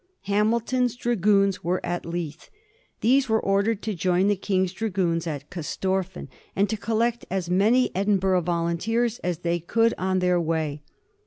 Hamilton's Dragoons were at Leith. These were ordered to join the King's Dragoons at Corstorphine, and to collect as many Edinburgh volunteers as they could on their way.